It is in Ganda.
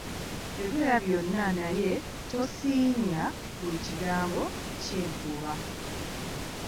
Yogera byonna naye tosiinya ku kigambo ky'ebbuba.